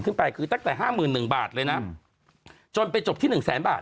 ขึ้นไปคือตั้งแต่ห้าหมื่นหนึ่งบาทเลยนะจนไปจบที่หนึ่งแสนบาท